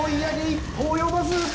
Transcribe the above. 一歩及ばず！